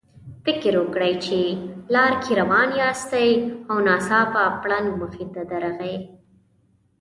فکر وکړئ چې لار کې روان یاستئ او ناڅاپه پړانګ مخې ته درغی.